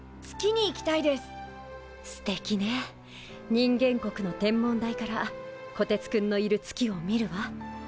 人間国の天文台からこてつくんのいる月を見るわ。